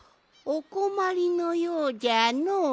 おこまりのようじゃのう。